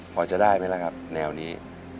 พอจะได้ไหมล่ะครับแนวนี้